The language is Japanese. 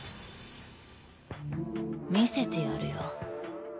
見せてやるよ。